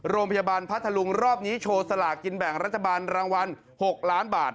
พัทธลุงรอบนี้โชว์สลากินแบ่งรัฐบาลรางวัล๖ล้านบาท